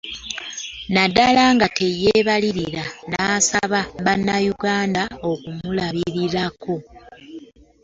Naddala nga teyeebalira n'asaba Bannayuganda okumulabilako.